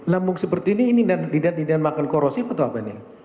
lambung seperti ini ini tidak makan korosif atau apa nih